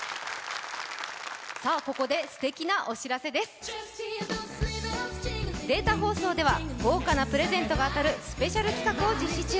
さあここで、すてきなお知らせですデータ放送では豪華なプレゼントが当たるスペシャル企画を実施中。